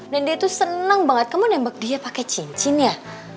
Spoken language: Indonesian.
dan dia tuh seneng banget kamu nembak dia pake cincin ya